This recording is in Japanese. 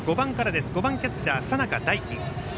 ５番キャッチャー、佐仲大輝。